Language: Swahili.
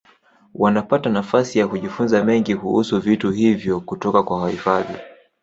Wanapata nafasi ya kujifunza mengi kuhusu vitu hivyo kutoka kwa wahifadhi